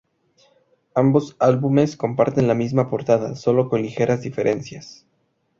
Ambos álbumes comparten la misma portada, sólo con ligeras diferencias.